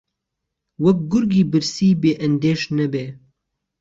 وهک گورگی برسی بێ ئهندێش نهبێ